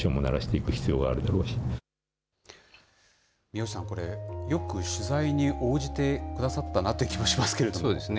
宮内さん、これ、よく取材に応じてくださったなという気もしますけれども。